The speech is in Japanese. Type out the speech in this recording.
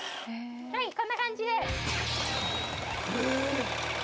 はいこんな感じで！